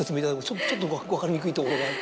ちょっと分かりにくいところが。